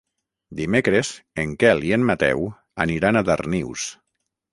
Dimecres en Quel i en Mateu aniran a Darnius.